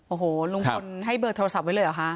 โอ้โหลุงพลให้เบอร์โทรศัพท์ไว้เลยเหรอคะ